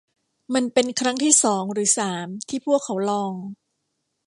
มันเป็นครั้งที่สองหรือสามที่พวกเขาลอง